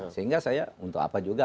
sehingga saya untuk apa juga